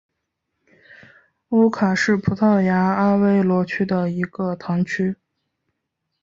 欧卡是葡萄牙阿威罗区的一个堂区。